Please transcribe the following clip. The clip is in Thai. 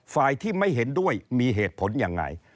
ฝ่ายที่ไม่เห็นด้วยมีเหตุผลยังไง